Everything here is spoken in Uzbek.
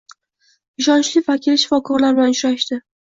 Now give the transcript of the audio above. Ishonchli vakil shifokorlar bilan uchrashdi